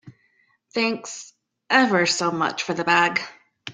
Thanks ever so much for the bag.